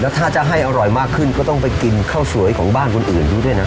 ถ้าจะให้อร่อยมากขึ้นก็ต้องไปกินข้าวสวยของบ้านคนอื่นดูด้วยนะ